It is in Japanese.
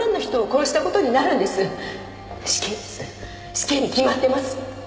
死刑に決まってます！